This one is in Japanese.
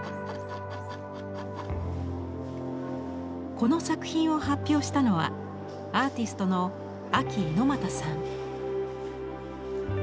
この作品を発表したのはアーティストのＡＫＩＩＮＯＭＡＴＡさん。